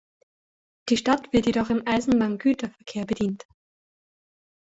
Die Stadt wird jedoch im Eisenbahngüterverkehr bedient.